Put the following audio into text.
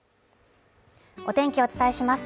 お天気をお伝えします。